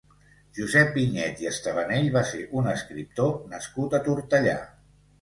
Josep Vinyet i Estebanell va ser un escriptor nascut a Tortellà.